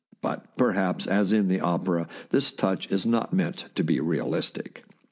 But perhaps, as in the opera, this touch is not meant to be realistic.